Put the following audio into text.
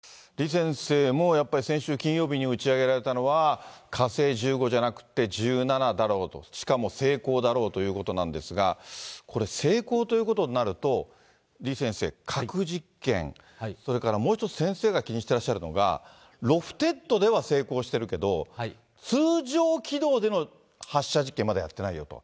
李先生も、やっぱり先週金曜日に打ち上げられたのは、火星１５じゃなくて、１７だろうと、しかも成功だろうということなんですが、これ、成功ということになると、李先生、核実験、それからもう一つ先生が気にしてらっしゃるのが、ロフテッドでは成功しているけど、通常軌道での発射実験、まだやってないよと。